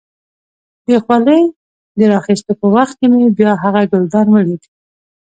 د خولۍ د را اخيستو په وخت کې مې بیا هغه ګلدان ولید.